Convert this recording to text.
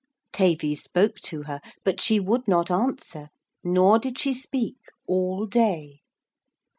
Tavy spoke to her. But she would not answer. Nor did she speak all day.